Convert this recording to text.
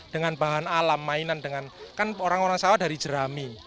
dengan bahan alam mainan dengan kan orang orang sawah dari jerami